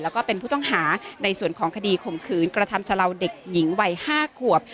แล้วก็เป็นผู้ต้องหาในส่วนของคดีข่มขืนกระทำชะลาวเด็กหญิงวัย๕ขวบ